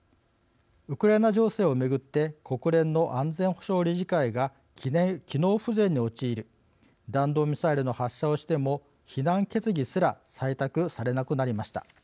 ウクライナ情勢を巡って国連の安全保障理事会が機能不全に陥り弾道ミサイルの発射をしても非難決議すら採択されなくなりました。